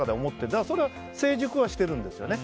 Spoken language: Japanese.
だからそれは成熟はしてるんですよね。